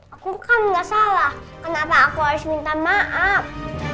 aku kan gak salah kenapa aku harus minta maaf